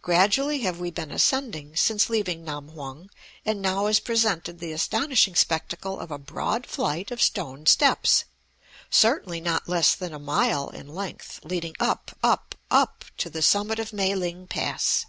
Gradually have we been ascending since leaving Nam hung, and now is presented the astonishing spectacle of a broad flight of stone steps, certainly not less than a mile in length, leading up, up, up, to the summit of the Mae ling Pass.